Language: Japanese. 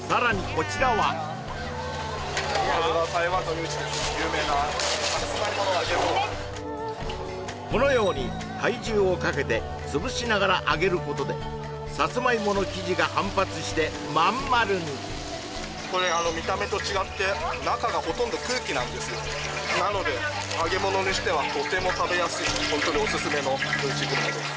こちらはこのように体重をかけてつぶしながら揚げることでさつまいもの生地が反発してまん丸にこれ見た目と違って中がほとんど空気なんですよなのでホントにオススメの夜市グルメです